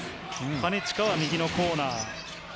金近は右のコーナー。